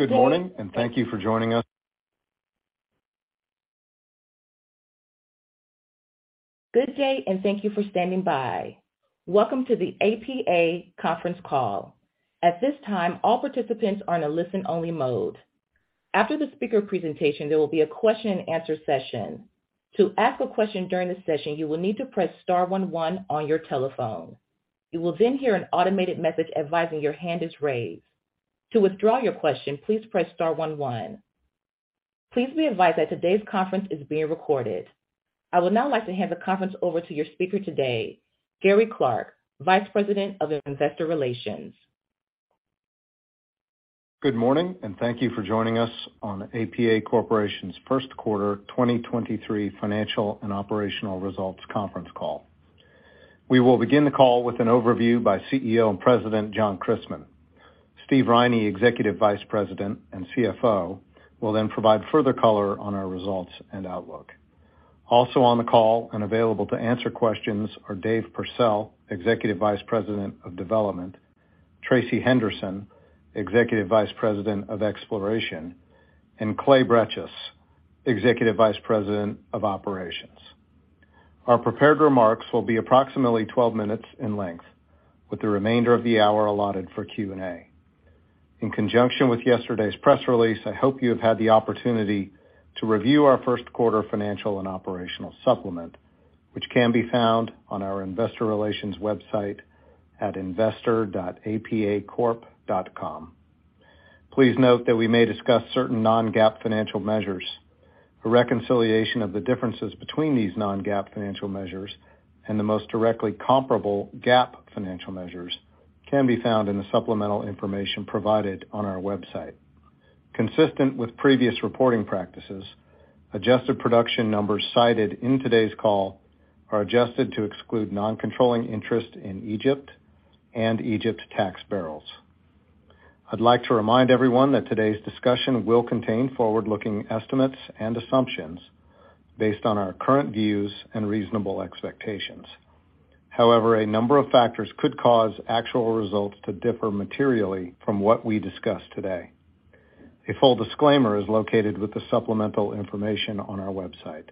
Good day, and thank you for standing by. Welcome to the APA conference call. At this time, all participants are in a listen-only mode. After the speaker presentation, there will be a question and answer session. To ask a question during the session, you will need to press star one one on your telephone. You will then hear an automated message advising your hand is raised. To withdraw your question, please press star one one. Please be advised that today's conference is being recorded. I would now like to hand the conference over to your speaker today, Gary Clark, Vice President of investor relations. Good morning, thank you for joining us on APA Corporation's first quarter 2023 financial and operational results conference call. We will begin the call with an overview by CEO and President, John Christmann. Steve Riney, Executive Vice President and CFO, will provide further color on our results and outlook. Also on the call and available to answer questions are Dave Pursell, Executive Vice President of Development, Tracey Henderson, Executive Vice President of Exploration, and Clay Bretches, Executive Vice President of Operations. Our prepared remarks will be approximately 12 minutes in length, with the remainder of the hour allotted for Q&A. In conjunction with yesterday's press release, I hope you have had the opportunity to review our first quarter financial and operational supplement, which can be found on our investor relations website at investor.apacorp.com. Please note that we may discuss certain non-GAAP financial measures. A reconciliation of the differences between these non-GAAP financial measures and the most directly comparable GAAP financial measures can be found in the supplemental information provided on our website. Consistent with previous reporting practices, adjusted production numbers cited in today's call are adjusted to exclude non-controlling interest in Egypt and Egypt tax barrels. I'd like to remind everyone that today's discussion will contain forward-looking estimates and assumptions based on our current views and reasonable expectations. However, a number of factors could cause actual results to differ materially from what we discuss today. A full disclaimer is located with the supplemental information on our website.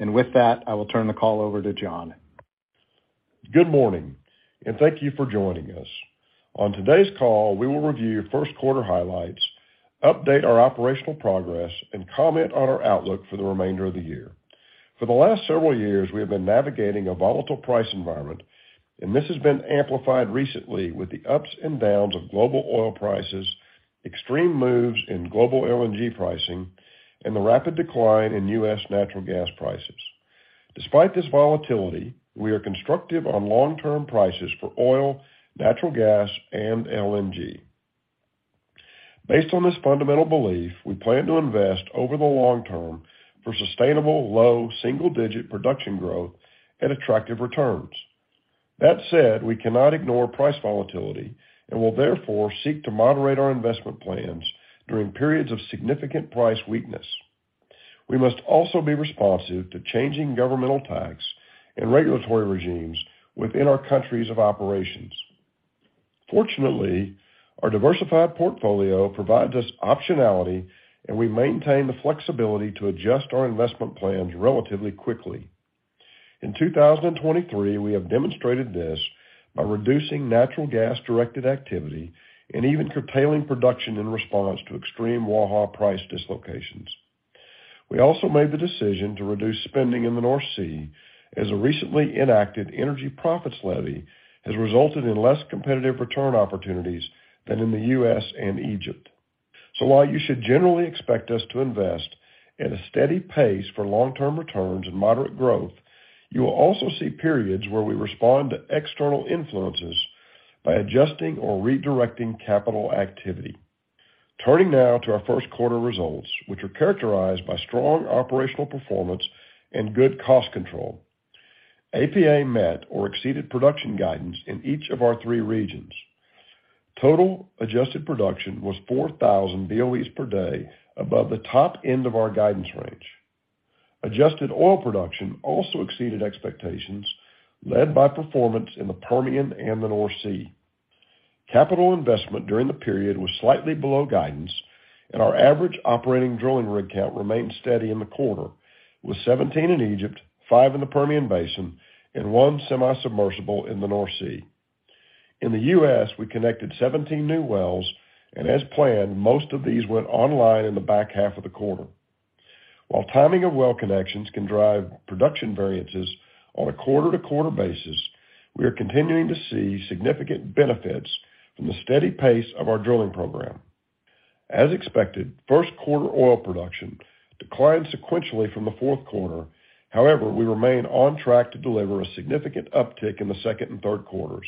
With that, I will turn the call over to John. Good morning, and thank you for joining us. On today's call, we will review first quarter highlights, update our operational progress, and comment on our outlook for the remainder of the year. For the last several years, we have been navigating a volatile price environment, and this has been amplified recently with the ups and downs of global oil prices, extreme moves in global LNG pricing, and the rapid decline in U.S. natural gas prices. Despite this volatility, we are constructive on long-term prices for oil, natural gas, and LNG. Based on this fundamental belief, we plan to invest over the long term for sustainable, low, single-digit production growth and attractive returns. That said, we cannot ignore price volatility and will therefore seek to moderate our investment plans during periods of significant price weakness. We must also be responsive to changing governmental tax and regulatory regimes within our countries of operations. Fortunately, our diversified portfolio provides us optionality, and we maintain the flexibility to adjust our investment plans relatively quickly. In 2023, we have demonstrated this by reducing natural gas-directed activity and even curtailing production in response to extreme Waha price dislocations. We also made the decision to reduce spending in the North Sea as a recently enacted Energy Profits Levy has resulted in less competitive return opportunities than in the U.S. and Egypt. While you should generally expect us to invest at a steady pace for long-term returns and moderate growth, you will also see periods where we respond to external influences by adjusting or redirecting capital activity. Turning now to our first quarter results, which are characterized by strong operational performance and good cost control. APA met or exceeded production guidance in each of our three regions. Total adjusted production was 4,000 BOEs per day above the top end of our guidance range. Adjusted oil production also exceeded expectations, led by performance in the Permian and the North Sea. Capital investment during the period was slightly below guidance, and our average operating drilling rig count remained steady in the quarter, with 17 in Egypt, five in the Permian basin, and one semi-submersible in the North Sea. In the U.S., we connected 17 new wells, and as planned, most of these went online in the back half of the quarter. While timing of well connections can drive production variances on a quarter-to-quarter basis, we are continuing to see significant benefits from the steady pace of our drilling program. As expected, first quarter oil production declined sequentially from the fourth quarter. However, we remain on track to deliver a significant uptick in the second and third quarters.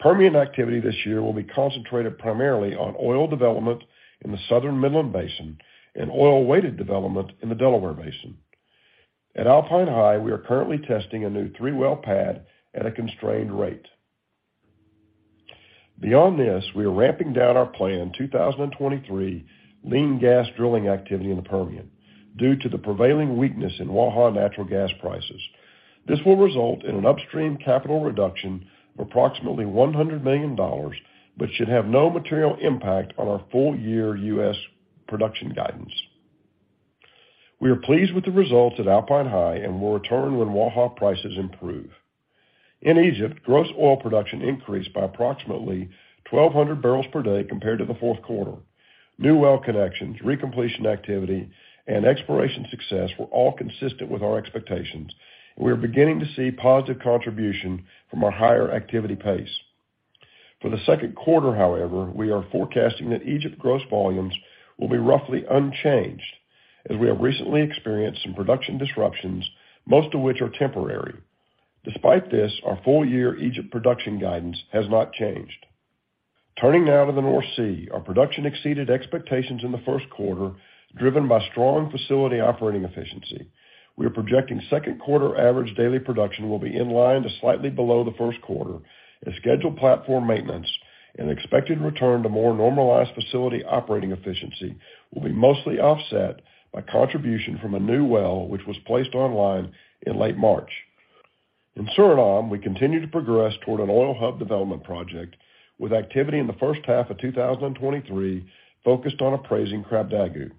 Permian activity this year will be concentrated primarily on oil development in the Southern Midland Basin and oil-weighted development in the Delaware Basin. At Alpine High, we are currently testing a new three-well pad at a constrained rate. Beyond this, we are ramping down our planned 2023 lean gas drilling activity in the Permian due to the prevailing weakness in Waha natural gas prices. This will result in an upstream capital reduction of approximately $100 million, but should have no material impact on our full year U.S. production guidance. We are pleased with the results at Alpine High and will return when Waha prices improve. In Egypt, gross oil production increased by approximately 1,200 barrels per day compared to the fourth quarter. New well connections, recompletion activity and exploration success were all consistent with our expectations, and we are beginning to see positive contribution from our higher activity pace. For the second quarter, however, we are forecasting that Egypt gross volumes will be roughly unchanged as we have recently experienced some production disruptions, most of which are temporary. Despite this, our full year Egypt production guidance has not changed. Turning now to the North Sea. Our production exceeded expectations in the first quarter, driven by strong facility operating efficiency. We are projecting second quarter average daily production will be in line to slightly below the first quarter as scheduled platform maintenance and expected return to more normalized facility operating efficiency will be mostly offset by contribution from a new well which was placed online in late March. In Suriname, we continue to progress toward an oil hub development project with activity in the first half of 2023 focused on appraising Krabdagu.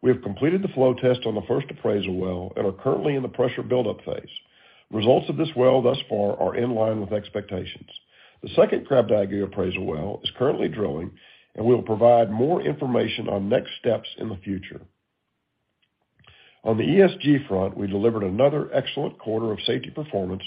We have completed the flow test on the first appraisal well and are currently in the pressure buildup phase. Results of this well thus far are in line with expectations. The second Krabdagu appraisal well is currently drilling, and we will provide more information on next steps in the future. On the ESG front, we delivered another excellent quarter of safety performance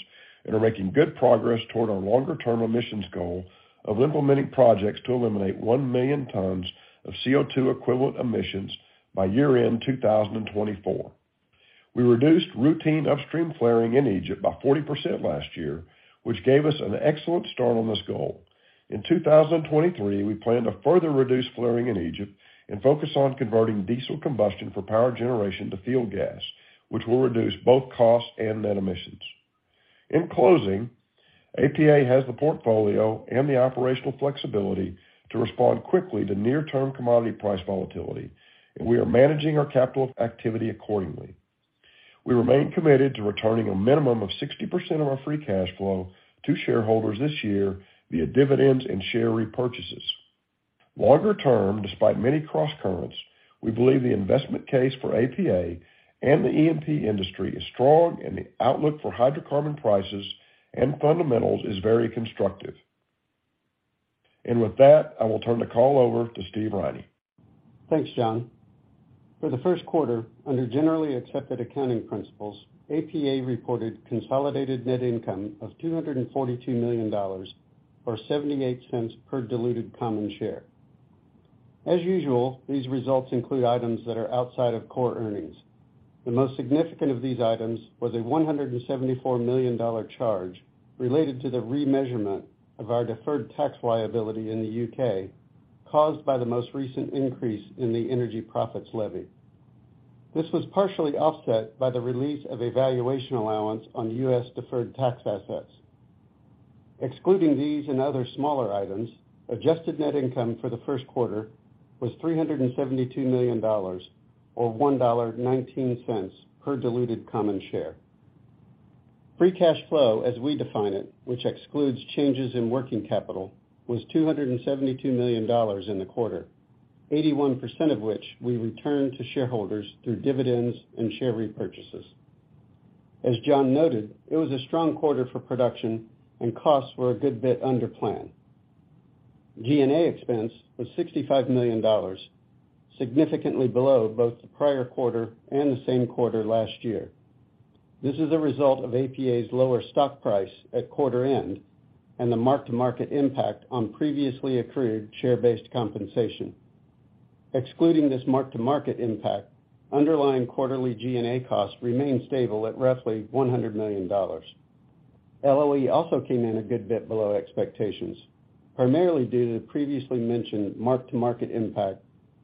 and are making good progress toward our longer-term emissions goal of implementing projects to eliminate 1 million tons of CO₂ equivalent emissions by year-end 2024. We reduced routine upstream flaring in Egypt by 40% last year, which gave us an excellent start on this goal. In 2023, we plan to further reduce flaring in Egypt and focus on converting diesel combustion for power generation to field gas, which will reduce both costs and net emissions. In closing, APA has the portfolio and the operational flexibility to respond quickly to near-term commodity price volatility. We are managing our capital activity accordingly. We remain committed to returning a minimum of 60% of our free cash flow to shareholders this year via dividends and share repurchases. Longer-term, despite many crosscurrents, we believe the investment case for APA and the E&P industry is strong. The outlook for hydrocarbon prices and fundamentals is very constructive. With that, I will turn the call over to Steve Riney. Thanks, John. For the first quarter, under generally accepted accounting principles, APA reported consolidated net income of $242 million or $0.78 per diluted common share. As usual, these results include items that are outside of core earnings. The most significant of these items was a $174 million charge related to the remeasurement of our deferred tax liability in the U.K. caused by the most recent increase in the Energy Profits Levy. This was partially offset by the release of a valuation allowance on U.S. deferred tax assets. Excluding these and other smaller items, adjusted net income for the first quarter was $372 million or $1.19 per diluted common share. Free cash flow, as we define it, which excludes changes in working capital, was $272 million in the quarter, 81% of which we returned to shareholders through dividends and share repurchases. As John noted, it was a strong quarter for production and costs were a good bit under plan. G&A expense was $65 million, significantly below both the prior quarter and the same quarter last year. This is a result of APA's lower stock price at quarter end and the mark-to-market impact on previously accrued share-based compensation. Excluding this mark-to-market impact, underlying quarterly G&A costs remained stable at roughly $100 million. LOE also came in a good bit below expectations, primarily due to the previously mentioned mark-to-market impact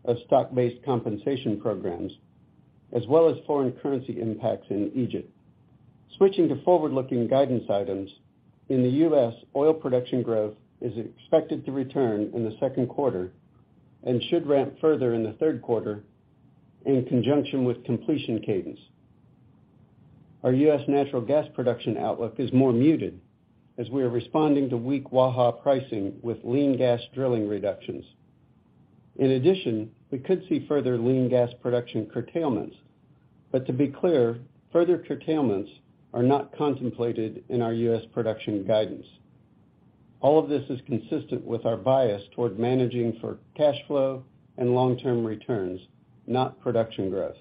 of stock-based compensation programs as well as foreign currency impacts in Egypt. Switching to forward-looking guidance items. In the U.S., oil production growth is expected to return in the second quarter and should ramp further in the third quarter in conjunction with completion cadence. Our U.S. natural gas production outlook is more muted as we are responding to weak Waha pricing with lean gas drilling reductions. In addition, we could see further lean gas production curtailments. To be clear, further curtailments are not contemplated in our U.S. production guidance. All of this is consistent with our bias toward managing for cash flow and long-term returns, not production growth.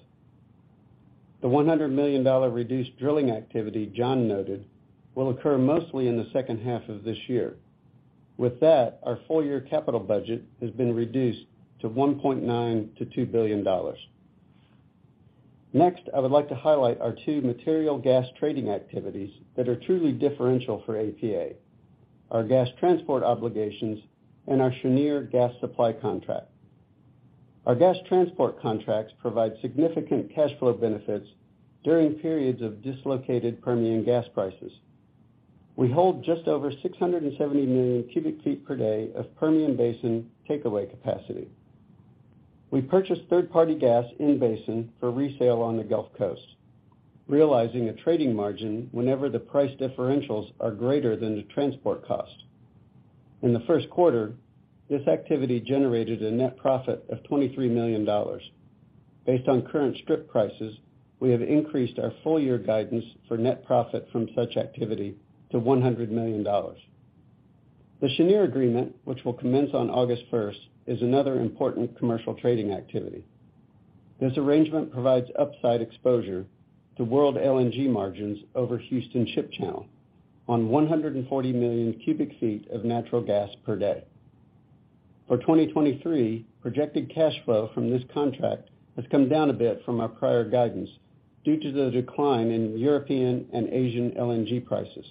The $100 million reduced drilling activity John noted will occur mostly in the second half of this year. With that, our full-year capital budget has been reduced to $1.9 billion-$2 billion. Next, I would like to highlight our two material gas trading activities that are truly differential for APA, our gas transport obligations and our Cheniere gas supply contract. Our gas transport contracts provide significant cash flow benefits during periods of dislocated Permian gas prices. We hold just over 670 million cubic feet per day of Permian Basin takeaway capacity. We purchased third-party gas in basin for resale on the Gulf Coast, realizing a trading margin whenever the price differentials are greater than the transport cost. In the first quarter, this activity generated a net profit of $23 million. Based on current strip prices, we have increased our full year guidance for net profit from such activity to $100 million. The Cheniere agreement, which will commence on August 1st, is another important commercial trading activity. This arrangement provides upside exposure to world LNG margins over Houston Ship Channel on 140 million cubic feet of natural gas per day. For 2023, projected cash flow from this contract has come down a bit from our prior guidance due to the decline in European and Asian LNG prices.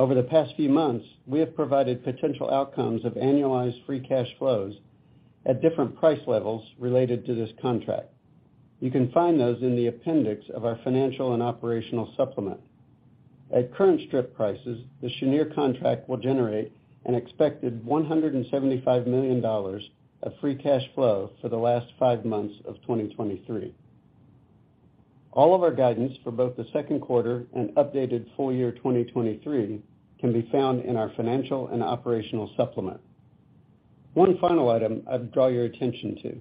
Over the past few months, we have provided potential outcomes of annualized free cash flows at different price levels related to this contract. You can find those in the appendix of our financial and operational supplement. At current strip prices, the Cheniere contract will generate an expected $175 million of free cash flow for the last five months of 2023. All of our guidance for both the second quarter and updated full year 2023 can be found in our financial and operational supplement. One final item I would draw your attention to.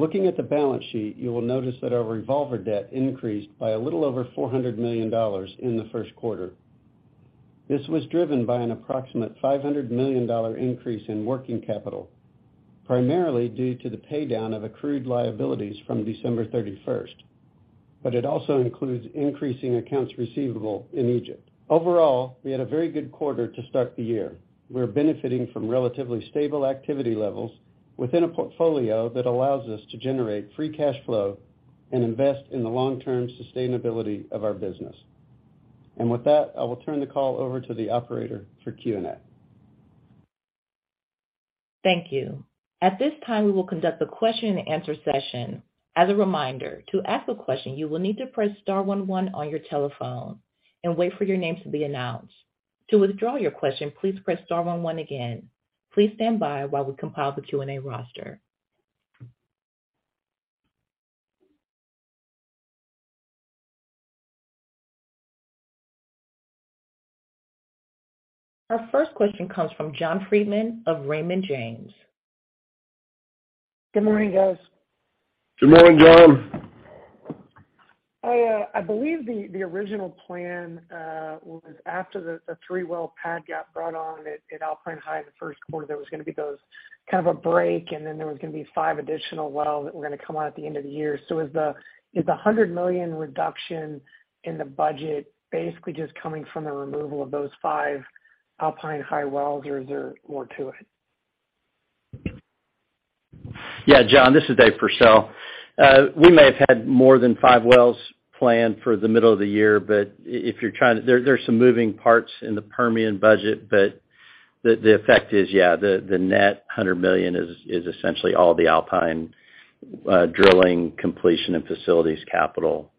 Looking at the balance sheet, you will notice that our revolver debt increased by a little over $400 million in the first quarter. This was driven by an approximate $500 million increase in working capital, primarily due to the pay down of accrued liabilities from December 31st. It also includes increasing accounts receivable in Egypt. Overall, we had a very good quarter to start the year. We're benefiting from relatively stable activity levels within a portfolio that allows us to generate free cash flow and invest in the long-term sustainability of our business. With that, I will turn the call over to the operator for Q&A. Thank you. At this time, we will conduct a question and answer session. As a reminder, to ask a question, you will need to press star one one on your telephone and wait for your name to be announced. To withdraw your question, please press star one one again. Please stand by while we compile the Q&A roster. Our first question comes from John Freeman of Raymond James. Good morning, guys. Good morning, John. I believe the original plan was after the three-well pad got brought on at Alpine High in the first quarter, there was gonna be those kind of a break, and then there was gonna be five additional wells that were gonna come on at the end of the year. Is the $100 million reduction in the budget basically just coming from the removal of those five Alpine High wells, or is there more to it? Yeah, John, this is Dave Pursell. We may have had more than five wells planned for the middle of the year, but if you're trying to... There's some moving parts in the Permian budget, but the effect is, yeah, the net $100 million is essentially all the Alpine drilling completion and facilities capital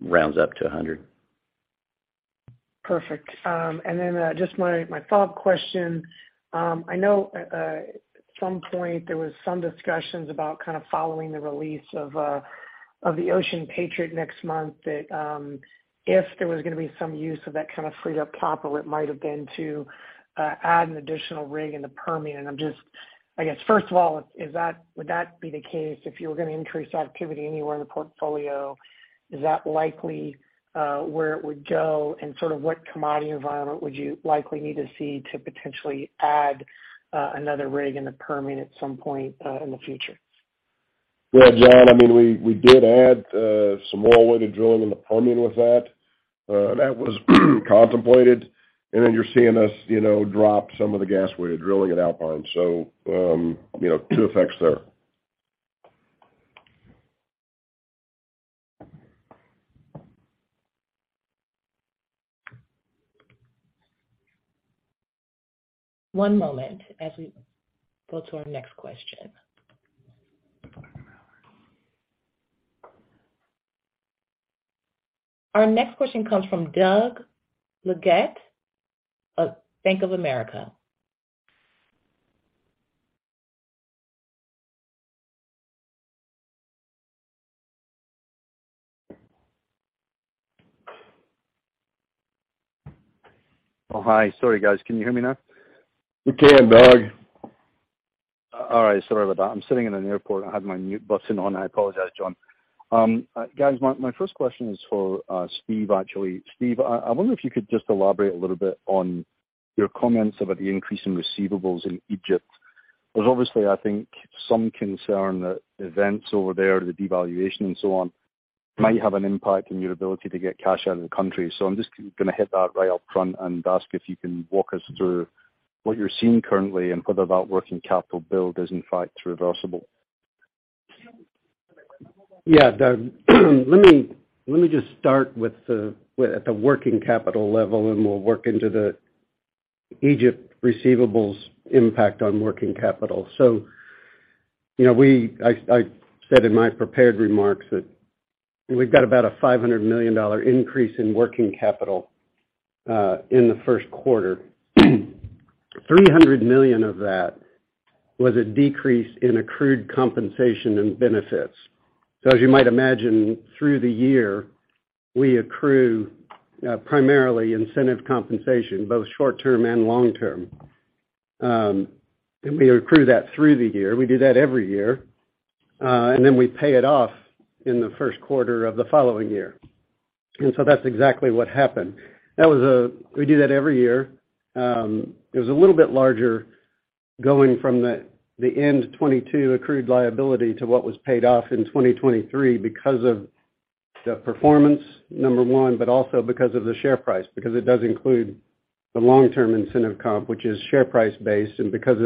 rounds up to $100. Perfect. Just my follow-up question. I know at some point there was some discussions about kind of following the release of the Ocean Patriot next month that if there was gonna be some use of that kind of freed up capital, it might have been to add an additional rig in the Permian. I'm just, I guess, first of all, would that be the case if you were gonna increase activity anywhere in the portfolio? Is that likely where it would go, and sort of what commodity environment would you likely need to see to potentially add another rig in the Permian at some point in the future? John, I mean, we did add some oil well to drilling in the Permian with that. That was contemplated, then you're seeing us, you know, drop some of the gas well drilling at Alpine. You know, two effects there. One moment as we go to our next question. Our next question comes from Doug Leggate of Bank of America. Oh, hi. Sorry, guys. Can you hear me now? We can, Doug. All right. Sorry about that. I'm sitting in an airport. I had my mute button on. I apologize, John. Guys, my first question is for Steve, actually. Steve, I wonder if you could just elaborate a little bit on your comments about the increase in receivables in Egypt? There's obviously, I think, some concern that events over there, the devaluation and so on, may have an impact on your ability to get cash out of the country. I'm just gonna hit that right up front and ask if you can walk us through what you're seeing currently and whether that working capital build is in fact reversible? Yeah, Doug. Let me just start with at the working capital level, we'll work into the Egypt receivables impact on working capital. You know, I said in my prepared remarks that we've got about a $500 million increase in working capital. In the first quarter, $300 million of that was a decrease in accrued compensation and benefits. As you might imagine, through the year, we accrue primarily incentive compensation, both short term and long term. We accrue that through the year. We do that every year, then we pay it off in the first quarter of the following year. That's exactly what happened. We do that every year. It was a little bit larger going from the end 2022 accrued liability to what was paid off in 2023 because of the performance, number one, but also because of the share price, because it does include the long-term incentive comp, which is share price based. Because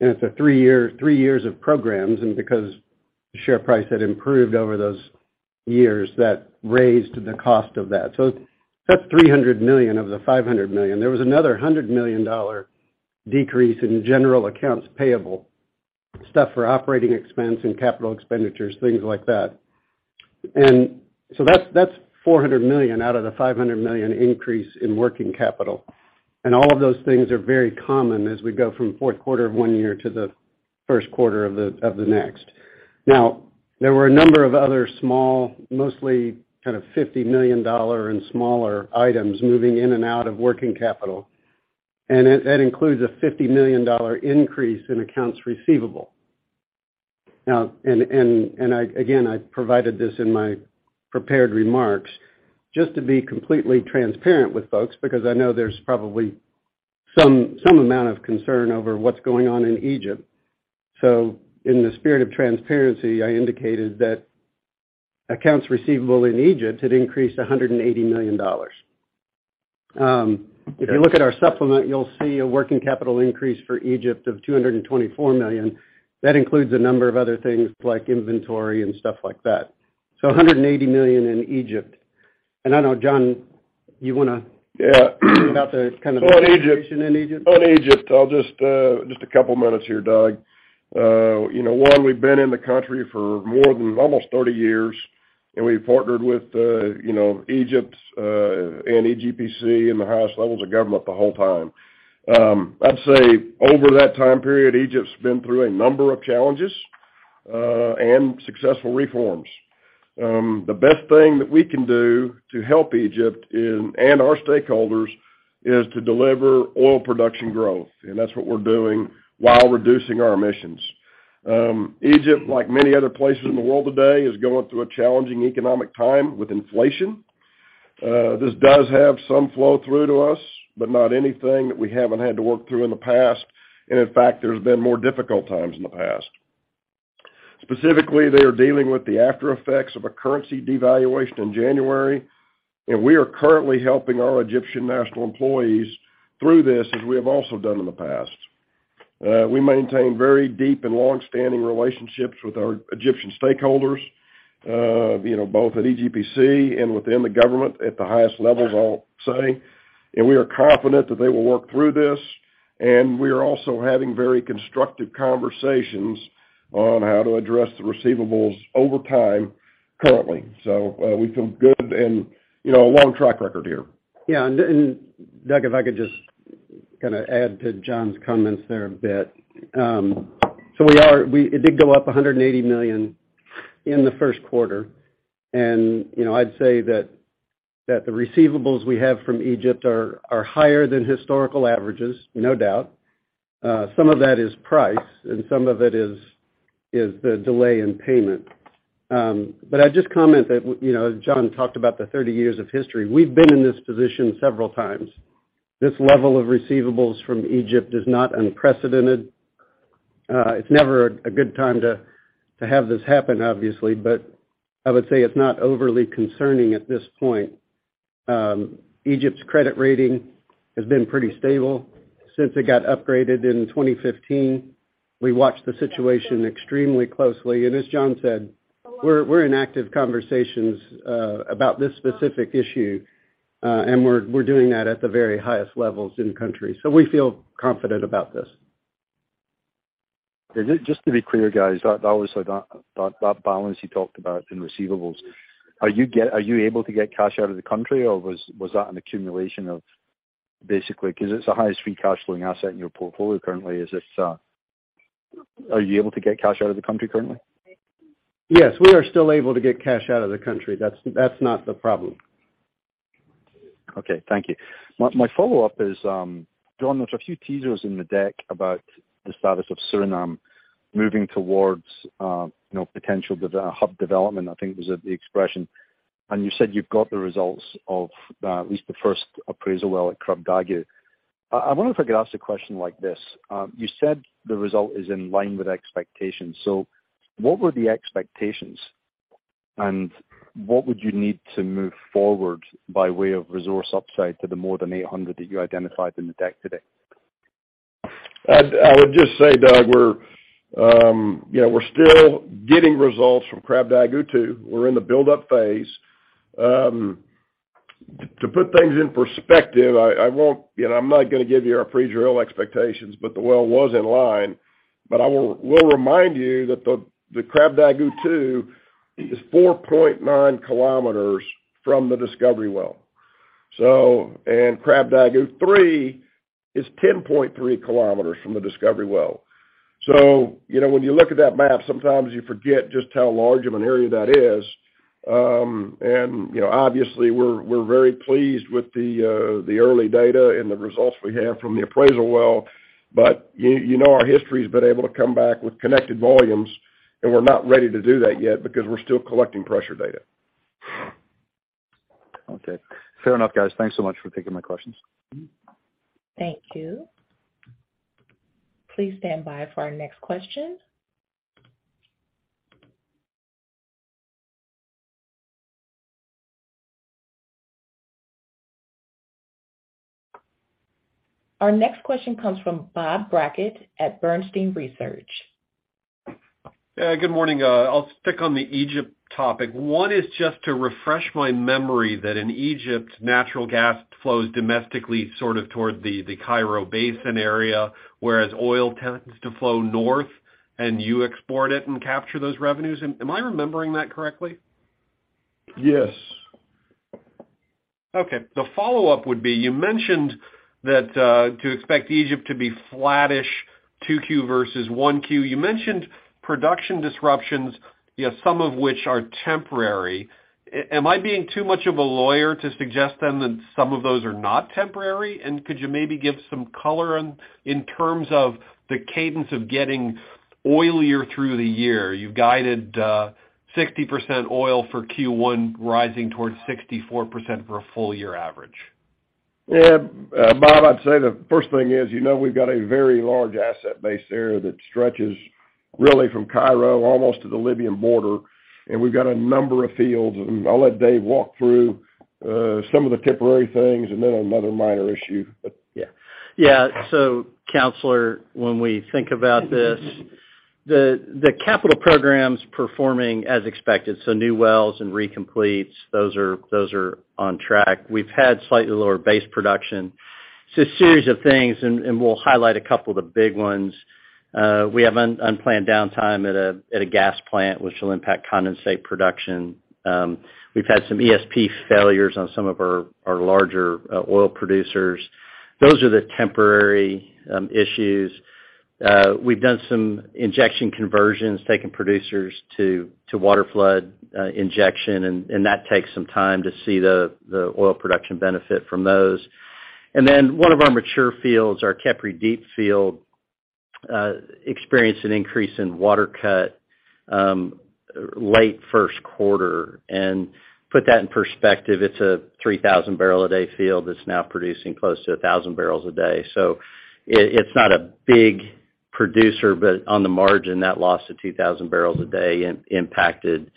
it's a three year, three years of programs, and because the share price had improved over those years, that raised the cost of that. That's $300 million of the $500 million. There was another $100 million decrease in general accounts payable, stuff for operating expense and capital expenditures, things like that. That's $400 million out of the $500 million increase in working capital. All of those things are very common as we go from fourth quarter of one year to the first quarter of the next. There were a number of other small, mostly kind of $50 million and smaller items moving in and out of working capital. That includes a $50 million increase in accounts receivable. Again, I provided this in my prepared remarks, just to be completely transparent with folks, because I know there's probably some amount of concern over what's going on in Egypt. In the spirit of transparency, I indicated that accounts receivable in Egypt had increased $180 million. If you look at our supplement, you'll see a working capital increase for Egypt of $224 million. That includes a number of other things like inventory and stuff like that. $180 million in Egypt. I know, John. Yeah. About. On Egypt. situation in Egypt? On Egypt, I'll just a couple minutes here, Doug. You know, one, we've been in the country for more than almost 30 years, and we've partnered with, you know, Egypt's EGPC and the highest levels of government the whole time. I'd say over that time period, Egypt's been through a number of challenges and successful reforms. The best thing that we can do to help Egypt is, and our stakeholders, is to deliver oil production growth, and that's what we're doing while reducing our emissions. Egypt, like many other places in the world today, is going through a challenging economic time with inflation. This does have some flow through to us, but not anything that we haven't had to work through in the past. In fact, there's been more difficult times in the past. Specifically, they are dealing with the after effects of a currency devaluation in January, and we are currently helping our Egyptian national employees through this, as we have also done in the past. We maintain very deep and longstanding relationships with our Egyptian stakeholders, you know, both at EGPC and within the government at the highest levels, I'll say. We are confident that they will work through this. We are also having very constructive conversations on how to address the receivables over time currently. We feel good and, you know, a long track record here. Doug, if I could just kinda add to John's comments there a bit. It did go up $180 million in the first quarter. You know, I'd say that the receivables we have from Egypt are higher than historical averages, no doubt. Some of that is price and some of it is the delay in payment. But I'd just comment that, you know, as John talked about the 30 years of history, we've been in this position several times. This level of receivables from Egypt is not unprecedented. It's never a good time to have this happen, obviously, but I would say it's not overly concerning at this point. Egypt's credit rating has been pretty stable since it got upgraded in 2015. We watched the situation extremely closely. As John said, we're in active conversations about this specific issue, and we're doing that at the very highest levels in country. We feel confident about this. Just to be clear, guys, that, obviously, that balance you talked about in receivables, are you able to get cash out of the country, or was that an accumulation of basically-- 'cause it's the highest free cash flowing asset in your portfolio currently? Are you able to get cash out of the country currently? Yes, we are still able to get cash out of the country. That's not the problem. Okay. Thank you. My follow-up is, John, there's a few teasers in the deck about the status of Suriname moving towards, you know, potential hub development, I think was the expression. You said you've got the results of at least the first appraisal well at Krabdagu. I wonder if I could ask a question like this. You said the result is in line with expectations. What were the expectations, and what would you need to move forward by way of resource upside to the more than 800 that you identified in the deck today? I would just say, Doug Leggate, we're, you know, we're still getting results from Krabdagu-2. We're in the build-up phase. To put things in perspective, I won't, you know, I'm not gonna give you our appraisal expectations, the well was in line. I will remind you that the Krabdagu-2 is 4.9 km from the discovery well. And Krabdagu-3 is 10.3 km from the discovery well. You know, when you look at that map, sometimes you forget just how large of an area that is. You know, obviously we're very pleased with the early data and the results we have from the appraisal well. You know our history has been able to come back with connected volumes, and we're not ready to do that yet because we're still collecting pressure data. Okay. Fair enough, guys. Thanks so much for taking my questions. Thank you. Please stand by for our next question. Our next question comes from Bob Brackett at Bernstein Research. Good morning. I'll stick on the Egypt topic. One is just to refresh my memory that in Egypt, natural gas flows domestically sort of toward the Cairo basin area, whereas oil tends to flow north and you export it and capture those revenues. Am I remembering that correctly? Yes. Okay. The follow-up would be, you mentioned that to expect Egypt to be flattish 2Q versus 1Q. You mentioned production disruptions, you know, some of which are temporary. Am I being too much of a lawyer to suggest then that some of those are not temporary? Could you maybe give some color in terms of the cadence of getting oilier through the year? You've guided 60% oil for Q1 rising towards 64% for a full year average. Yeah. Bob, I'd say the first thing is, you know we've got a very large asset base there that stretches really from Cairo almost to the Libyan border, and we've got a number of fields. I'll let Dave walk through, some of the temporary things and then another minor issue. Yeah. Yeah. Counselor, when we think about this, the capital program's performing as expected, so new wells and recompletes, those are on track. We've had slightly lower base production. It's a series of things, and we'll highlight a couple of the big ones. We have unplanned downtime at a gas plant, which will impact condensate production. We've had some ESP failures on some of our larger oil producers. Those are the temporary issues. We've done some injection conversions, taking producers to waterflood injection and that takes some time to see the oil production benefit from those. One of our mature fields, our Khari Deep Field, experienced an increase in water cut late first quarter. Put that in perspective, it's a 3,000-barrel-a-day field that's now producing close to 1,000 barrels a day. It's not a big producer, but on the margin, that loss of 2,000 barrels a day impacted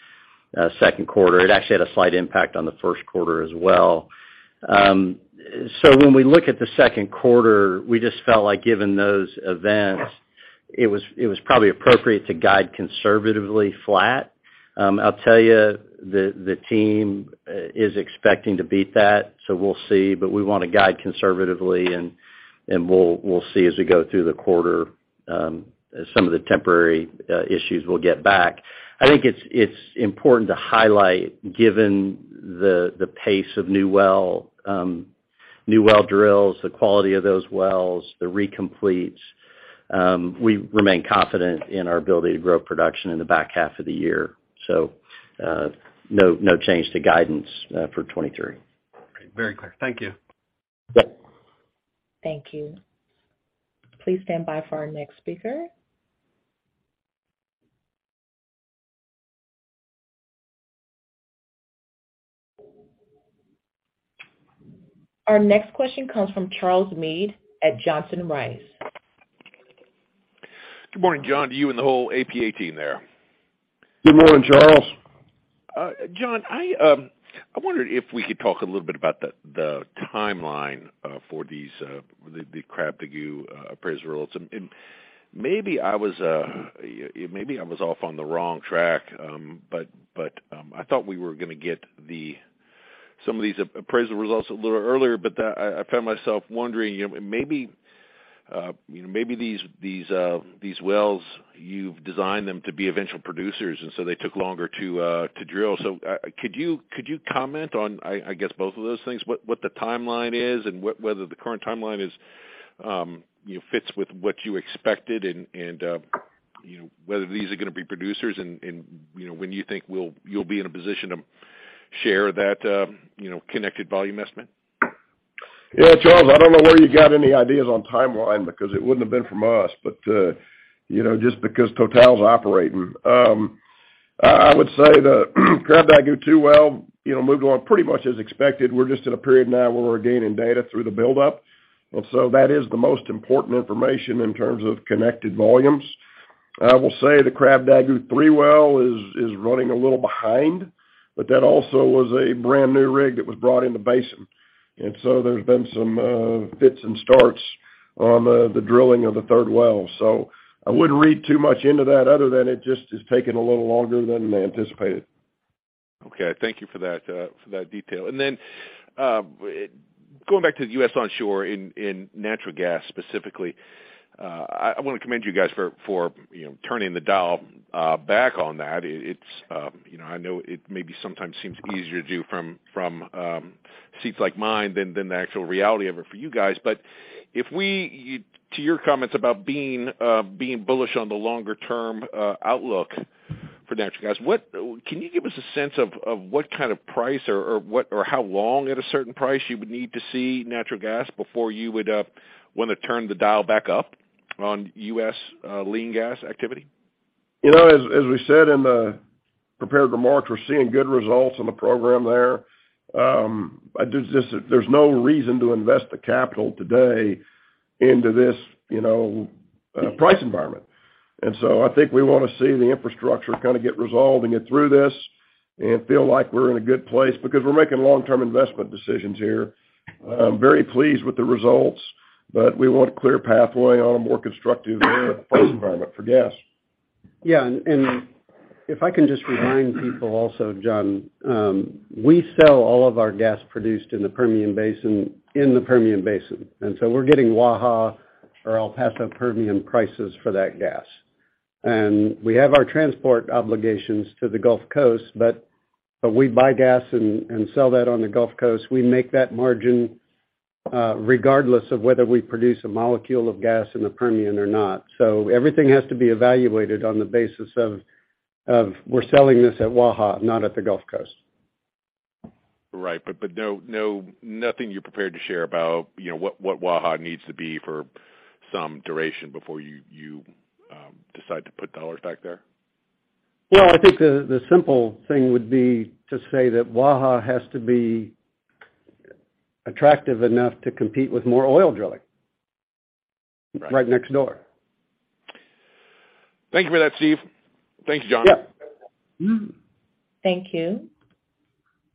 second quarter. It actually had a slight impact on the first quarter as well. When we look at the second quarter, we just felt like given those events, it was probably appropriate to guide conservatively flat. I'll tell you the team is expecting to beat that, so we'll see. We wanna guide conservatively and we'll see as we go through the quarter, some of the temporary issues we'll get back. I think it's important to highlight, given the pace of new well drills, the quality of those wells, the recompletes, we remain confident in our ability to grow production in the back half of the year. No change to guidance for 2023. Very clear. Thank you. Yep. Thank you. Please stand by for our next speaker. Our next question comes from Charles Meade at Johnson Rice. Good morning, John, to you and the whole APA team there. Good morning, Charles. John, I wondered if we could talk a little bit about the Krabdagu appraisal results. Maybe I was off on the wrong track, but I thought we were gonna get some of these appraisal results a little earlier. I found myself wondering, you know, maybe, you know, maybe these wells, you've designed them to be eventual producers, and so they took longer to drill. Could you comment on, I guess, both of those things, what the timeline is and what, whether the current timeline is, you know, fits with what you expected and, you know, whether these are gonna be producers and, you know, when you think you'll be in a position to share that, you know, connected volume estimate? Yeah, Charles, I don't know where you got any ideas on timeline because it wouldn't have been from us. You know, just because Total's operating. I would say the Krabdagu-2 well, you know, moved along pretty much as expected. We're just in a period now where we're gaining data through the buildup. That is the most important information in terms of connected volumes. I will say the Krabdagu-3 well is running a little behind, but that also was a brand-new rig that was brought in the basin. There's been some fits and starts on the drilling of the third well. I wouldn't read too much into that other than it just is taking a little longer than anticipated. Okay. Thank you for that, for that detail. Going back to the U.S. onshore in natural gas specifically, I wanna commend you guys for, you know, turning the dial back on that. It's, you know, I know it maybe sometimes seems easier to do from seats like mine than the actual reality of it for you guys. If you, to your comments about being bullish on the longer-term outlook for natural gas, can you give us a sense of what kind of price or what or how long at a certain price you would need to see natural gas before you would wanna turn the dial back up on U.S. lean gas activity? You know, as we said in the prepared remarks, we're seeing good results in the program there. I just there's no reason to invest the capital today into this, you know, price environment. I think we wanna see the infrastructure kinda get resolved and get through this and feel like we're in a good place because we're making long-term investment decisions here. Very pleased with the results, we want a clear pathway on a more constructive, price environment for gas. Yeah. If I can just remind people also, John, we sell all of our gas produced in the Permian Basin in the Permian Basin, and so we're getting Waha or El Paso Permian prices for that gas. We have our transport obligations to the Gulf Coast, but we buy gas and sell that on the Gulf Coast. We make that margin, regardless of whether we produce a molecule of gas in the Permian or not. Everything has to be evaluated on the basis of we're selling this at Waha, not at the Gulf Coast. Nothing you're prepared to share about, you know, what Waha needs to be for some duration before you decide to put dollars back there? Well, I think the simple thing would be to say that Waha has to be attractive enough to compete with more oil drilling... Right. Right next door. Thank you for that, Steve. Thanks, John. Yeah. Mm-hmm. Thank you.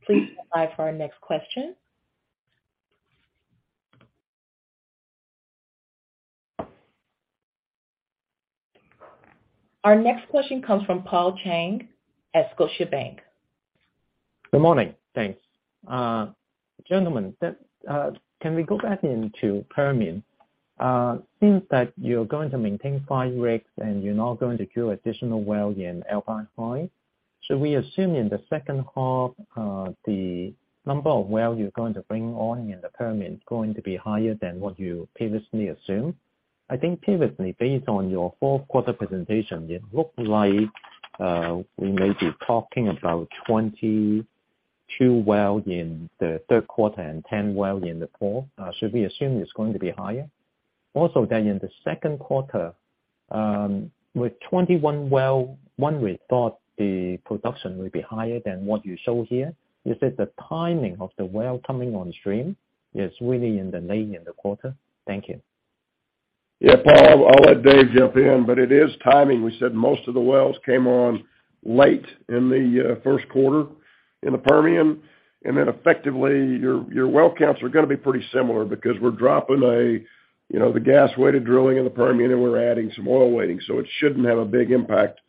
Please stand by for our next question. Our next question comes from Paul Cheng at Scotiabank. Good morning. Thanks. Gentlemen, can we go back into Permian? Since that you're going to maintain five rigs and you're not going to drill additional well in Alpine High, should we assume in the second half, the number of well you're going to bring on in the Permian is going to be higher than what you previously assumed? I think previously, based on your fourth quarter presentation, it looked like, we may be talking about 22 well in the third quarter and 10 well in the fourth. Should we assume it's going to be higher? In the second quarter, with 21 well, we thought the production will be higher than what you show here. Is it the timing of the well coming on stream is really in the lane in the quarter? Thank you. Paul, I'll let Dave jump in, but it is timing. We said most of the wells came on late in the first quarter in the Permian, then effectively your well counts are going to be pretty similar because we're dropping a, you know, the gas-weighted drilling in the Permian, and we're adding some oil weighting. It shouldn't have a big impact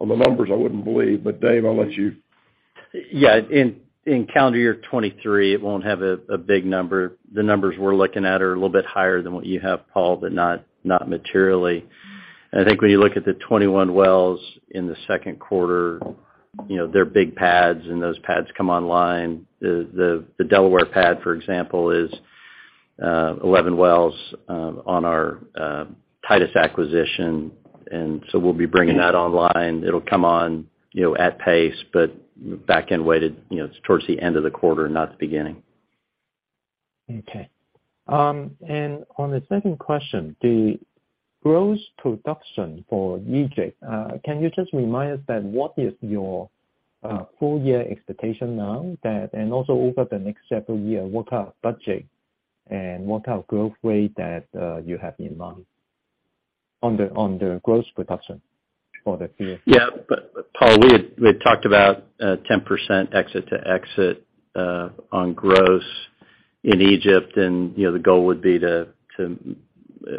on the numbers, I wouldn't believe. Dave, I'll let you... In calendar year 2023, it won't have a big number. The numbers we're looking at are a little bit higher than what you have, Paul, but not materially. I think when you look at the 21 wells in the second quarter, you know, they're big pads, and those pads come online. The Delaware pad, for example, is 11 wells on our Titus acquisition, we'll be bringing that online. It'll come on, you know, at pace, but backend weighted, you know, it's towards the end of the quarter, not the beginning. Okay. On the second question, the gross production for Egypt, can you just remind us then what is your full year expectation now that... and also over the next several year, what are budget and what are growth rate that, you have in mind on the, on the gross production for the full year? Paul, we had talked about 10% exit to exit on gross in Egypt. You know, the goal would be to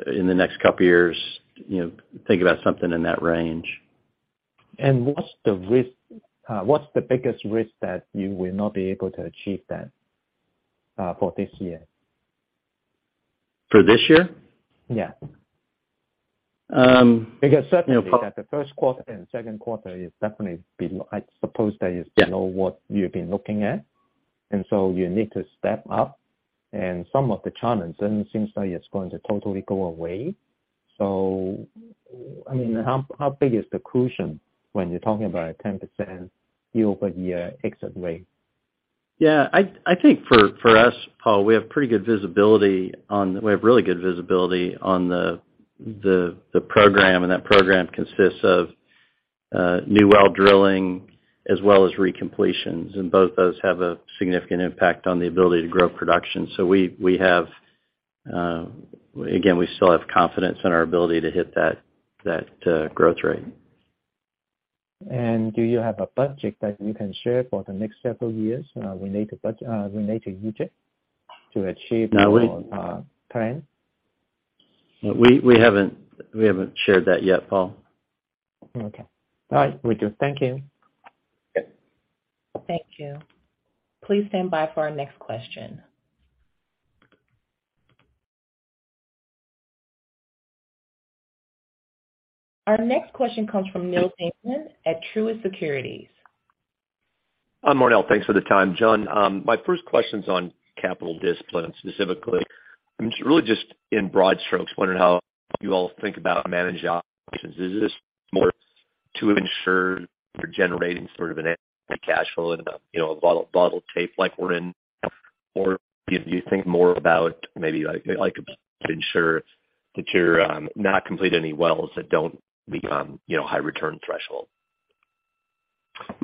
in the next couple years, you know, think about something in that range. What's the biggest risk that you will not be able to achieve that for this year? For this year? Yeah. Um. Because certainly- You know, Paul that the first quarter and second quarter is definitely be, I suppose that is- Yeah. you know what you've been looking at, you need to step up. Some of the challenge doesn't seem like it's going to totally go away. I mean, how big is the cushion when you're talking about a 10% year-over-year exit rate? Yeah. I think for us, Paul, we have pretty good visibility on. We have really good visibility on the program, and that program consists of new well drilling as well as recompletions, and both those have a significant impact on the ability to grow production. We have again, we still have confidence in our ability to hit that growth rate. Do you have a budget that you can share for the next several years, related to Egypt to achieve your plan? We haven't shared that yet, Paul. Okay. All right, will do. Thank you. Yep. Thank you. Please stand by for our next question. Our next question comes from Neal Dingmann at Truist Securities. Hi, Neal Dingmann. Thanks for the time. John Christmann, my first question's on capital discipline. Specifically, I'm just really in broad strokes wondering how you all think about manage options. Is this more to ensure you're generating sort of an.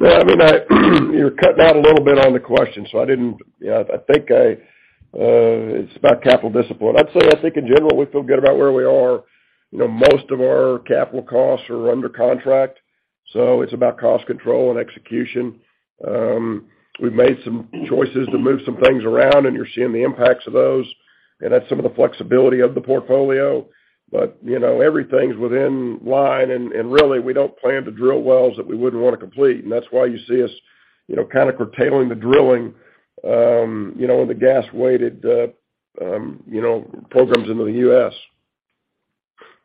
Yeah, I mean, you're cutting out a little bit on the question. I think it's about capital discipline. I'd say in general, we feel good about where we are. You know, most of our capital costs are under contract, so it's about cost control and execution. We've made some choices to move some things around. You're seeing the impacts of those. That's some of the flexibility of the portfolio. You know, everything's within line and really, we don't plan to drill wells that we wouldn't wanna complete. That's why you see us, you know, kind of curtailing the drilling, you know, in the gas-weighted, you know, programs into the U.S.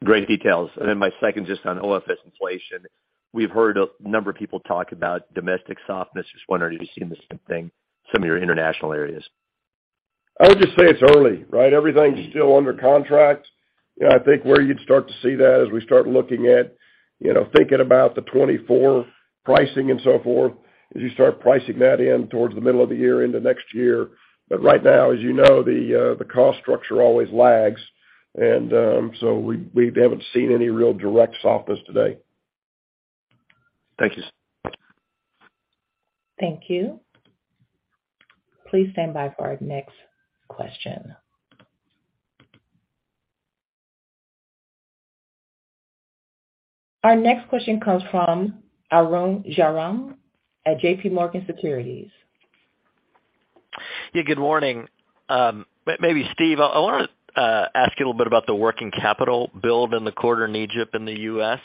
Great details. My second just on OFS inflation. We've heard a number of people talk about domestic softness. Just wondering if you've seen the same thing, some of your international areas? I would just say it's early, right? Everything's still under contract. You know, I think where you'd start to see that is we start looking at, you know, thinking about the 2024 pricing and so forth, as you start pricing that in towards the middle of the year into next year. Right now, as you know, the cost structure always lags. We haven't seen any real direct softness today. Thank you. Thank you. Please stand by for our next question. Our next question comes from Arun Jayaram at JPMorgan Securities. Yeah, good morning. Maybe Steve, I wanna ask you a little bit about the working capital build in the quarter in Egypt and the US,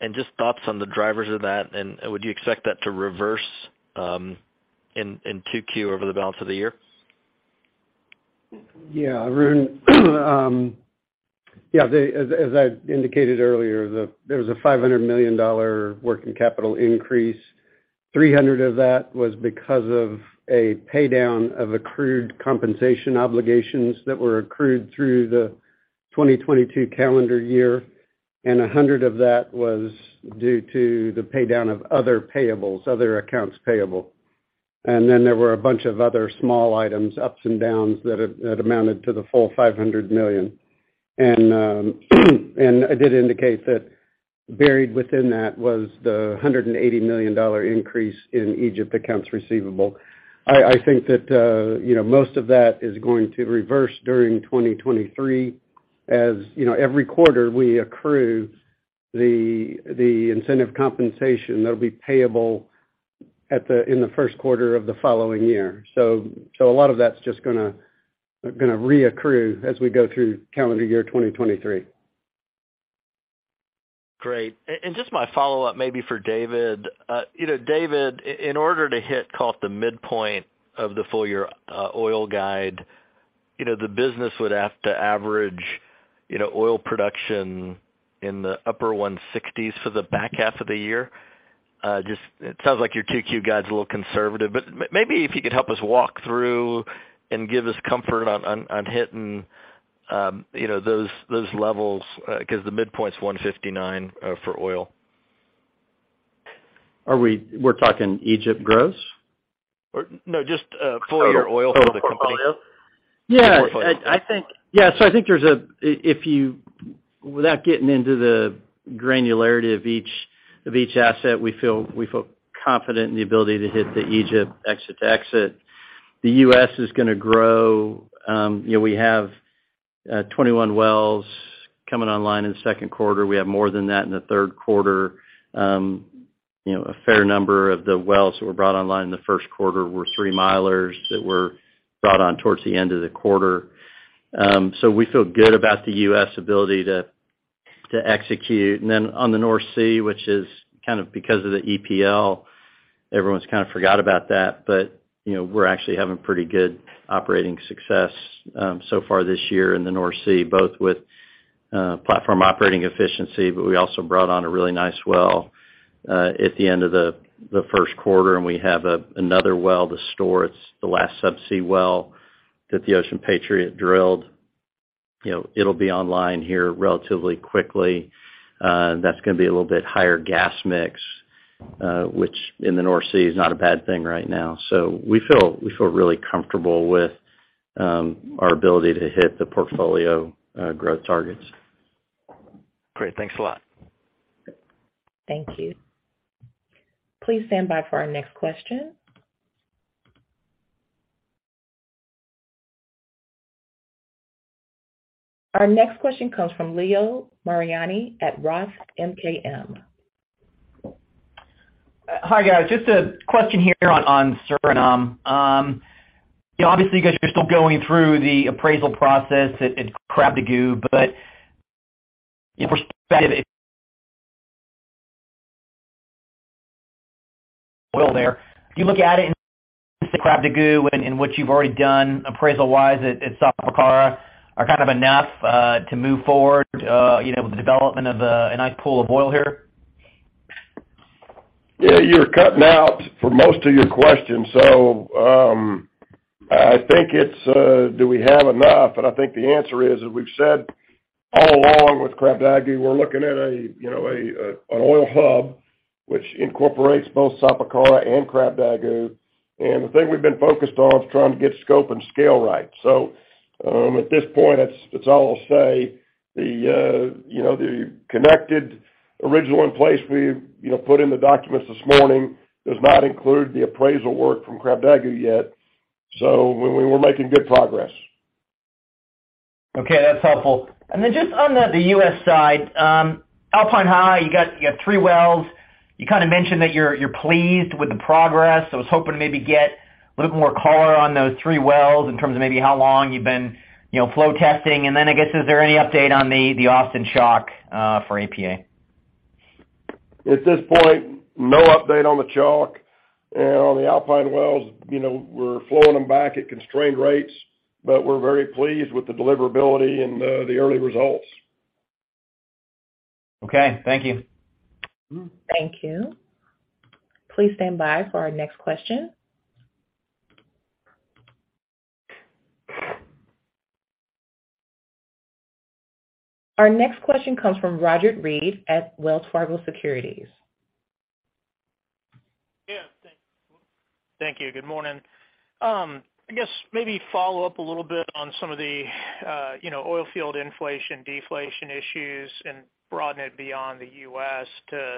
and just thoughts on the drivers of that, and would you expect that to reverse in 2Q over the balance of the year? Arun. As I indicated earlier, there was a $500 million working capital increase. $300 million of that was because of a pay down of accrued compensation obligations that were accrued through the 2022 calendar year. $100 million of that was due to the pay down of other payables, other accounts payable. There were a bunch of other small items, ups and downs, that amounted to the full $500 million. I did indicate that buried within that was the $180 million increase in Egypt accounts receivable. I think that, you know, most of that is going to reverse during 2023, as, you know, every quarter we accrue the incentive compensation that'll be payable in the first quarter of the following year. A lot of that's just gonna reaccrue as we go through calendar year 2023. Great. Just my follow-up maybe for David. You know, David, in order to hit call it the midpoint of the full year, oil guide, you know, the business would have to average, you know, oil production in the upper 160s for the back half of the year. Just it sounds like your 2Q guide's a little conservative. Maybe if you could help us walk through and give us comfort on hitting, you know, those levels, 'cause the midpoint's 159 for oil. We're talking Egypt gross? No, just, full year oil for the portfolio. Yeah. I think, yeah, I think without getting into the granularity of each asset, we feel confident in the ability to hit the Egypt exit to exit. The U.S. is gonna grow. You know, we have 21 wells coming online in the second quarter. We have more than that in the third quarter. You know, a fair number of the wells that were brought online in the first quarter were three-milers that were brought on towards the end of the quarter. We feel good about the U.S. ability to execute. Then on the North Sea, which is kind of because of the EPL, everyone's kind of forgot about that. You know, we're actually having pretty good operating success so far this year in the North Sea, both with platform operating efficiency, but we also brought on a really nice well at the end of the first quarter, and we have another well to store. It's the last sub-sea well that the Ocean Patriot drilled. You know, it'll be online here relatively quickly. That's gonna be a little bit higher gas mix, which in the North Sea is not a bad thing right now. We feel really comfortable with our ability to hit the portfolio growth targets. Great. Thanks a lot. Thank you. Please stand by for our next question. Our next question comes from Leo Mariani at Roth MKM. Hi, guys. Just a question here on Suriname. You know, obviously, you guys are still going through the appraisal process at Krabdagu, but in perspective- oil there. Do you look at it in Krabdagu in which you've already done appraisal-wise at Sapakara are kind of enough to move forward, you know, with the development of a nice pool of oil here? Yeah, you were cutting out for most of your question. I think it's, do we have enough? I think the answer is, as we've said all along with Krabdagu, we're looking at an oil hub which incorporates both Sapakara and Krabdagu. The thing we've been focused on is trying to get scope and scale right. At this point, that's all I'll say. The connected original in place we put in the documents this morning does not include the appraisal work from Krabdagu yet. We're making good progress. Okay, that's helpful. Just on the U.S. side, Alpine High, you got three wells. You kinda mentioned that you're pleased with the progress. I was hoping to maybe get a little more color on those three wells in terms of maybe how long you've been, you know, flow testing. I guess, is there any update on the Austin Chalk, for APA? At this point, no update on the Chalk. On the Alpine wells, you know, we're flowing them back at constrained rates, but we're very pleased with the deliverability and the early results. Okay, thank you. Thank you. Please stand by for our next question. Our next question comes from Roger Read at Wells Fargo Securities. Yeah, thank you. Good morning. I guess maybe follow up a little bit on some of the, you know, oilfield inflation, deflation issues and broaden it beyond the U.S. to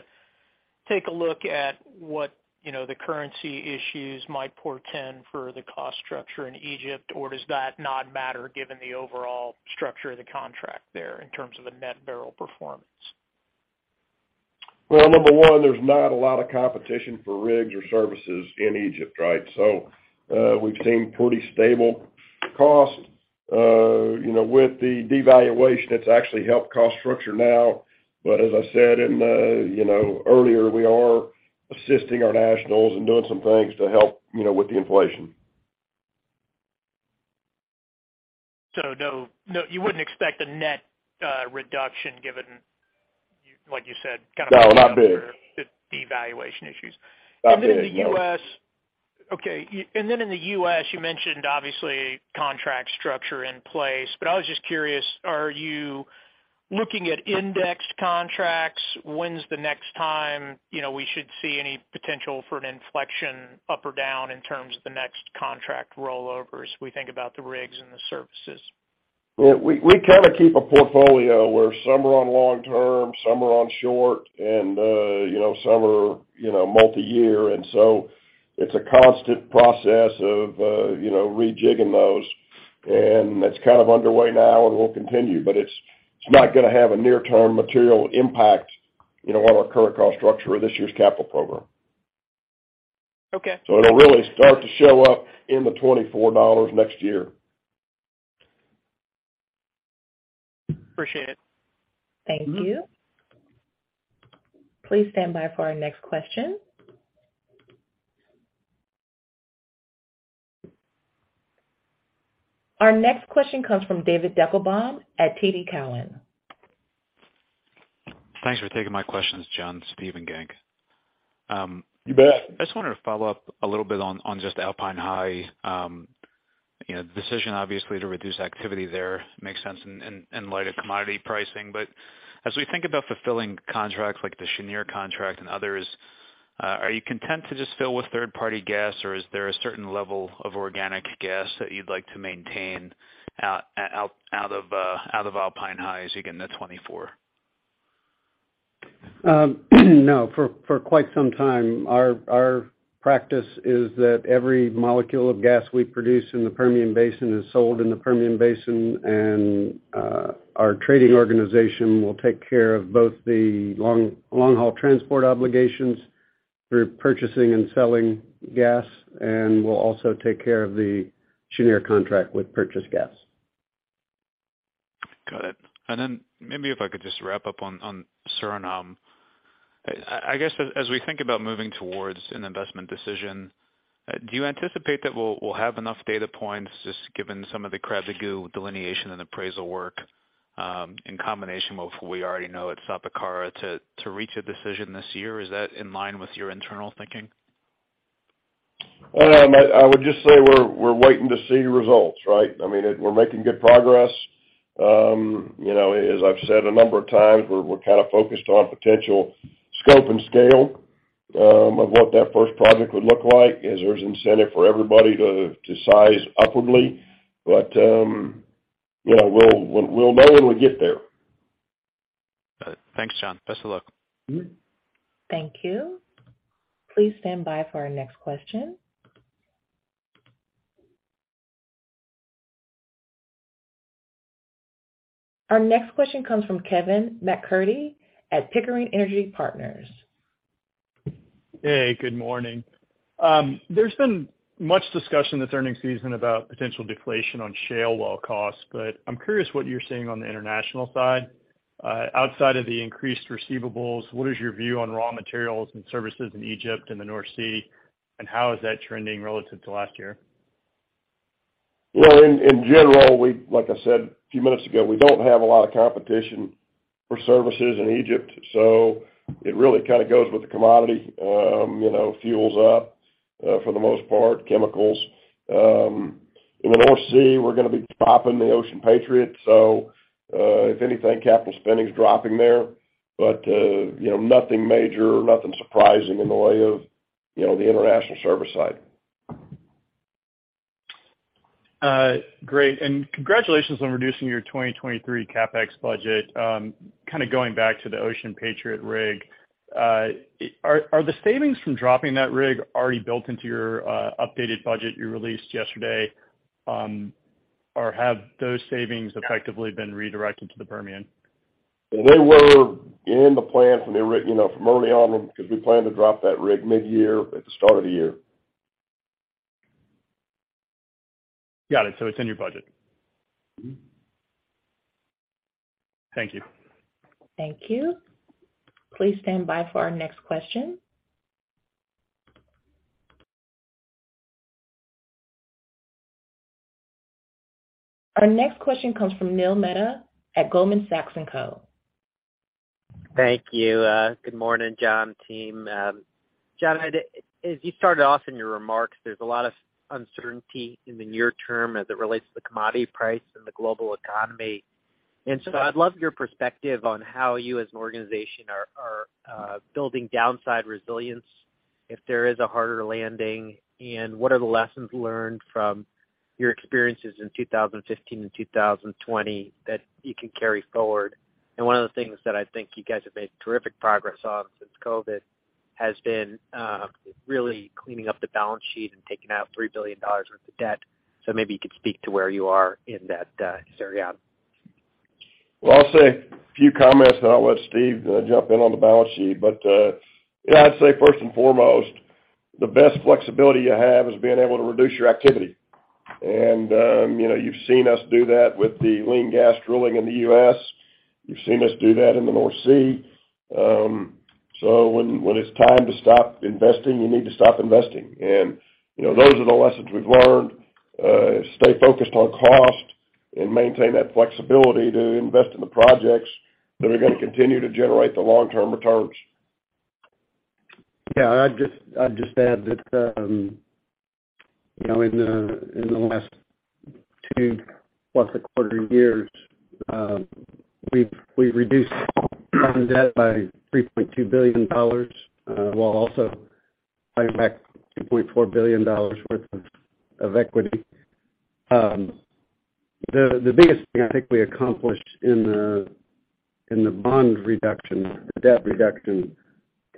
take a look at what, you know, the currency issues might portend for the cost structure in Egypt, or does that not matter given the overall structure of the contract there in terms of the net barrel performance? Well, number one, there's not a lot of competition for rigs or services in Egypt, right? We've seen pretty stable cost. You know, with the devaluation, it's actually helped cost structure now. As I said in, you know, earlier, we are assisting our nationals and doing some things to help, you know, with the inflation. no, you wouldn't expect a net reduction given, like you said, kind of- No, not there.... the devaluation issues. Not there, no. In the U.S. Okay. In the U.S., you mentioned obviously contract structure in place. I was just curious, are you looking at indexed contracts? When's the next time, you know, we should see any potential for an inflection up or down in terms of the next contract rollovers as we think about the rigs and the services? Yeah. We, we kinda keep a portfolio where some are on long-term, some are on short, and, you know, some are, you know, multi-year. So it's a constant process of, you know, rejigging those. That's kind of underway now and will continue, but it's not gonna have a near-term material impact, you know, on our current cost structure or this year's capital program. Okay. It'll really start to show up in the $24 next year. Appreciate it. Thank you. Please stand by for our next question. Our next question comes from David Deckelbaum at TD Cowen. Thanks for taking my questions, John, Steve and Clark. You bet. I just wanted to follow up a little bit on just Alpine High. You know, the decision obviously to reduce activity there makes sense in light of commodity pricing. As we think about fulfilling contracts like the Cheniere contract and others, are you content to just fill with third-party gas, or is there a certain level of organic gas that you'd like to maintain out of Alpine High as you get into 2024? No. For quite some time our practice is that every molecule of gas we produce in the Permian Basin is sold in the Permian Basin, and our trading organization will take care of both the long, long-haul transport obligations through purchasing and selling gas, and we'll also take care of the Cheniere contract with purchased gas. Got it. Then maybe if I could just wrap up on Suriname. I guess as we think about moving towards an investment decision, do you anticipate that we'll have enough data points just given some of the Krabdagu delineation and appraisal work, in combination with what we already know at Sapakara to reach a decision this year? Is that in line with your internal thinking? No, I would just say we're waiting to see results, right? I mean we're making good progress. You know, as I've said a number of times, we're kind of focused on potential scope and scale of what that first project would look like, as there's incentive for everybody to size upwardly. You know, we'll know when we get there. Got it. Thanks, John. Best of luck. Mm-hmm. Thank you. Please stand by for our next question. Our next question comes from Kevin MacCurdy at Pickering Energy Partners. Good morning. There's been much discussion this earnings season about potential deflation on shale well costs, but I'm curious what you're seeing on the international side. Outside of the increased receivables, what is your view on raw materials and services in Egypt and the North Sea, and how is that trending relative to last year? In general, like I said a few minutes ago, we don't have a lot of competition for services in Egypt, so it really kind of goes with the commodity. You know, fuel's up, for the most part, chemicals. In the North Sea, we're gonna be dropping the Ocean Patriot, so, if anything, capital spending is dropping there. You know, nothing major, nothing surprising in the way of, you know, the international service side. Great. Congratulations on reducing your 2023 CapEx budget. Kind of going back to the Ocean Patriot rig. Are the savings from dropping that rig already built into your updated budget you released yesterday, or have those savings effectively been redirected to the Permian? They were in the plan from the rig, you know, from early on because we planned to drop that rig midyear at the start of the year. Got it. It's in your budget? Mm-hmm. Thank you. Thank you. Please stand by for our next question. Our next question comes from Neil Mehta at Goldman Sachs & Co. Thank you. Good morning, John Christmann, team. John, as you started off in your remarks, there's a lot of uncertainty in the near term as it relates to the commodity price and the global economy. I'd love your perspective on how you as an organization are building downside resilience if there is a harder landing, and what are the lessons learned from your experiences in 2015 and 2020 that you can carry forward. One of the things that I think you guys have made terrific progress on since COVID has been really cleaning up the balance sheet and taking out $3 billion worth of debt. Maybe you could speak to where you are in that area. Well, I'll say a few comments, and I'll let Steve jump in on the balance sheet. Yeah, I'd say first and foremost, the best flexibility you have is being able to reduce your activity. You know, you've seen us do that with the lean gas drilling in the U.S. You've seen us do that in the North Sea. When it's time to stop investing, you need to stop investing. You know, those are the lessons we've learned. Stay focused on cost and maintain that flexibility to invest in the projects that are gonna continue to generate the long-term returns. Yeah. I'd just add that, you know, in the last two plus a quarter years, we've reduced our debt by $3.2 billion while also paying back $2.4 billion worth of equity. The biggest thing I think we accomplished in the bond reduction, the debt reduction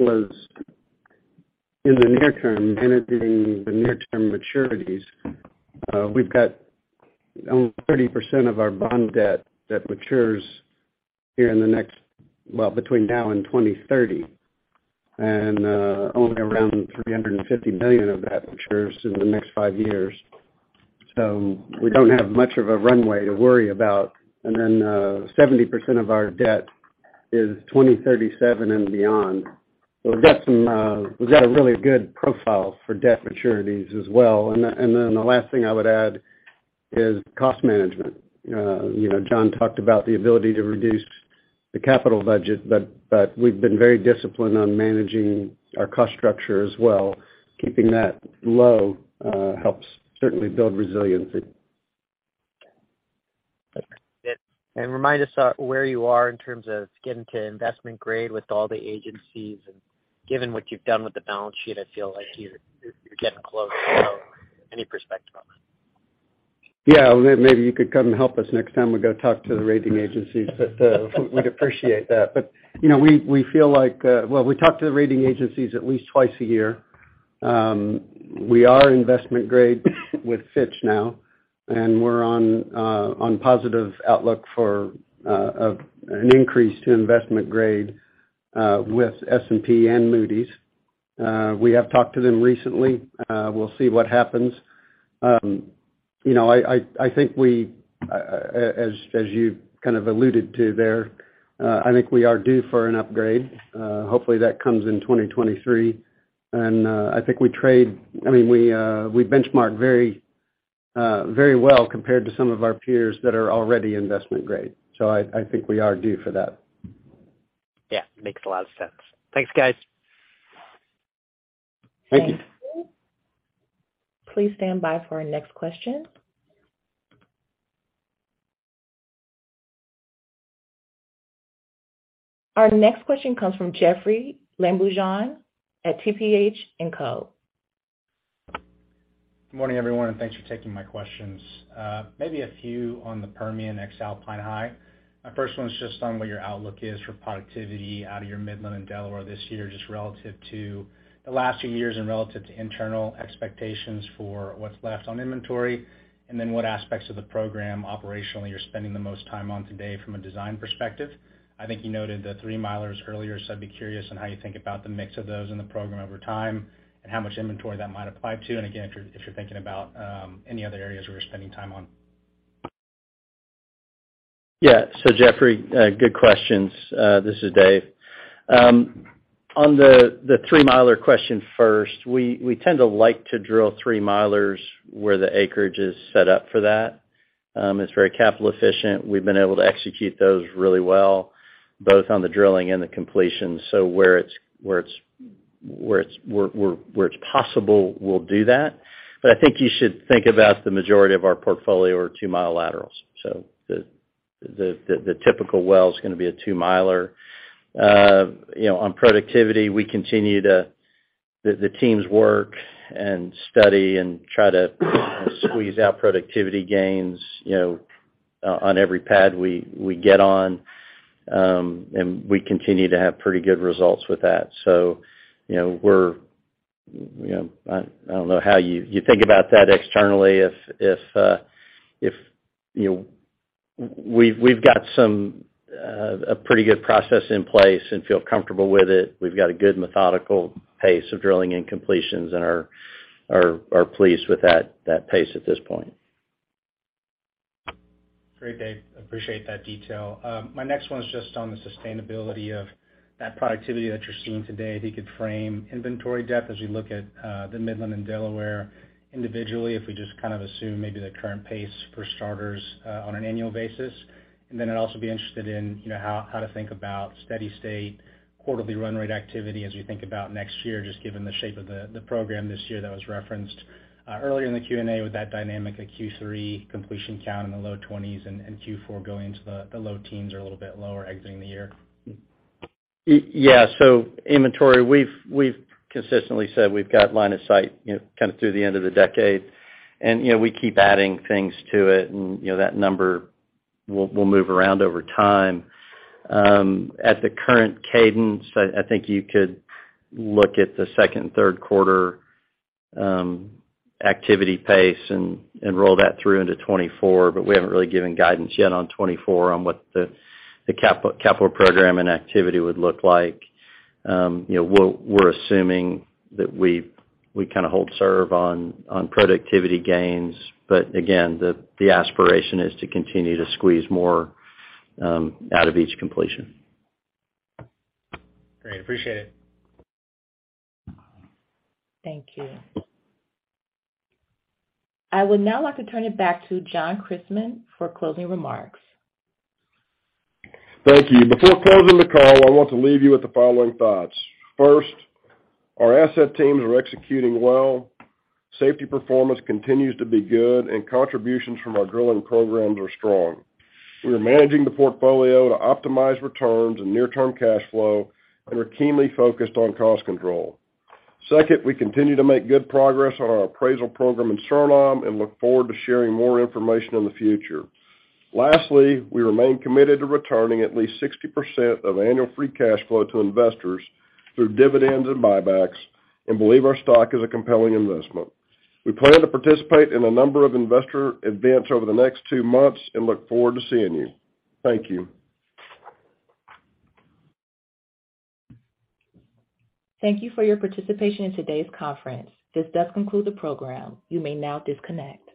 was in the near term, managing the near-term maturities. We've got only 30% of our bond debt that matures here in the next between now and 2030. Only around $350 million of that matures in the next five years. So we don't have much of a runway to worry about. 70% of our debt is 2037 and beyond. We've got some, we've got a really good profile for debt maturities as well. The last thing I would add is cost management. You know, John talked about the ability to reduce the capital budget, but we've been very disciplined on managing our cost structure as well. Keeping that low, helps certainly build resiliency. Remind us, where you are in terms of getting to investment grade with all the agencies? Given what you've done with the balance sheet, I feel like you're getting close. Any perspective on that? Yeah. Maybe you could come and help us next time we go talk to the rating agencies. We'd appreciate that. You know, we feel like, well, we talk to the rating agencies at least twice a year. We are investment grade with Fitch now, and we're on positive outlook for an increase to investment grade with S&P and Moody's. We have talked to them recently. We'll see what happens. You know, I, I think we as you kind of alluded to there, I think we are due for an upgrade. Hopefully that comes in 2023. I think we I mean, we benchmark very well compared to some of our peers that are already investment grade. I think we are due for that. Yeah. Makes a lot of sense. Thanks, guys. Thank you. Please stand by for our next question. Our next question comes from Jeoffrey Lambujon at TPH & Co. Good morning, everyone. Thanks for taking my questions. Maybe a few on the Permian ex-Alpine High. My first one's just on what your outlook is for productivity out of your Midland and Delaware this year, just relative to the last few years and relative to internal expectations for what's left on inventory, and then what aspects of the program operationally you're spending the most time on today from a design perspective. I think you noted the three-milers earlier, so I'd be curious on how you think about the mix of those in the program over time and how much inventory that might apply to. Again, if you're thinking about any other areas we're spending time on? Yeah. Jeoffrey, good questions. This is Dave. On the 3-miler question first, we tend to like to drill 3-milers where the acreage is set up for that. It's very capital efficient. We've been able to execute those really well, both on the drilling and the completion. Where it's possible, we'll do that. I think you should think about the majority of our portfolio are 2-mile laterals. The typical well is gonna be a 2-miler. You know, on productivity, we continue to... The teams work and study and try to squeeze out productivity gains, you know, on every pad we get on, and we continue to have pretty good results with that. You know, we're, you know, I don't know how you think about that externally if, you know. We've got some a pretty good process in place and feel comfortable with it. We've got a good methodical pace of drilling and completions and are pleased with that pace at this point. Great, Dave. Appreciate that detail. My next one is just on the sustainability of that productivity that you're seeing today. If you could frame inventory depth as you look at the Midland and Delaware individually, if we just kind of assume maybe the current pace for starters on an annual basis. I'd also be interested in, you know, how to think about steady-state quarterly run rate activity as we think about next year, just given the shape of the program this year that was referenced earlier in the Q&A with that dynamic of Q3 completion count in the low 20s and Q4 going into the low teens or a little bit lower exiting the year. Yeah. Inventory, we've consistently said we've got line of sight, you know, kind of through the end of the decade. You know, we keep adding things to it and, you know, that number will move around over time. At the current cadence, I think you could look at the second and third quarter activity pace and roll that through into 2024. We haven't really given guidance yet on 2024 on what the capital program and activity would look like. You know, we're assuming that we kinda hold serve on productivity gains, but again, the aspiration is to continue to squeeze more out of each completion. Great. Appreciate it. Thank you. I would now like to turn it back to John Christmann for closing remarks. Thank you. Before closing the call, I want to leave you with the following thoughts. First, our asset teams are executing well, safety performance continues to be good, and contributions from our drilling programs are strong. We are managing the portfolio to optimize returns and near-term free cash flow, and we're keenly focused on cost control. Second, we continue to make good progress on our appraisal program in Suriname and look forward to sharing more information in the future. Lastly, we remain committed to returning at least 60% of annual free cash flow to investors through dividends and buybacks and believe our stock is a compelling investment. We plan to participate in a number of investor events over the next two months and look forward to seeing you. Thank you. Thank you for your participation in today's conference. This does conclude the program. You may now disconnect.